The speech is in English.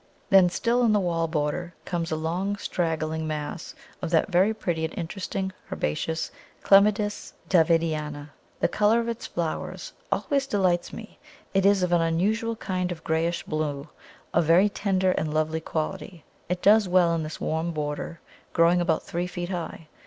Then still in the wall border comes a long straggling mass of that very pretty and interesting herbaceous Clematis, C. Davidiana. The colour of its flower always delights me; it is of an unusual kind of greyish blue, of very tender and lovely quality. It does well in this warm border, growing about three feet high.